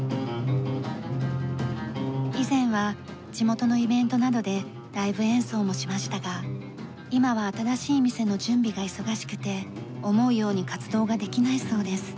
以前は地元のイベントなどでライブ演奏もしましたが今は新しい店の準備が忙しくて思うように活動ができないそうです。